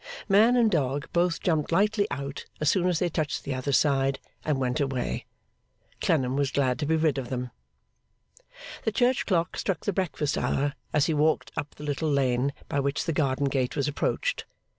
Man and dog both jumped lightly out as soon as they touched the other side, and went away. Clennam was glad to be rid of them. The church clock struck the breakfast hour as he walked up the little lane by which the garden gate was approached.